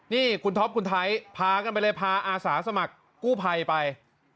นี่คุณท็อปคุณไทยพากันไปเลยพาอาสาสมัครกู้ภัยไป